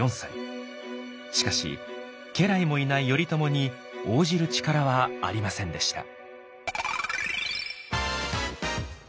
しかし家来もいない頼朝に応じる力はありませんでした。